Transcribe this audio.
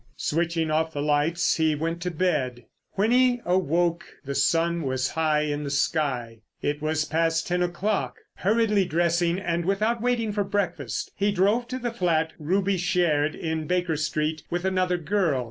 Switching off the lights he went to bed. When he awoke the sun was high in the sky. It was past ten o'clock. Hurriedly dressing and without waiting for breakfast, he drove to the flat Ruby shared in Baker Street with another girl.